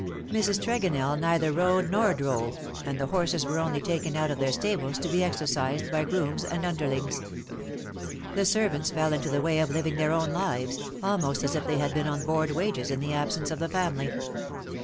Mrs. Tregonell neither rode nor drove, and the VOL. III. G ^2 ^' PAIN FOR THY GIRDLE, torses were only taken out of their stables to be exercised by grooms and underlings. The servants fell into the way of living their own lives_, almost as if they had been on board wages in the absence of the family.